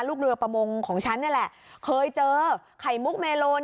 ลูกเรือประมงของฉันนี่แหละเคยเจอไข่มุกเมโลน